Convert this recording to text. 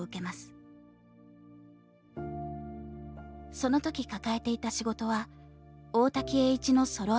その時抱えていた仕事は大滝詠一のソロアルバム。